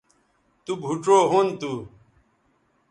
تو بھوڇؤ ھُن تھو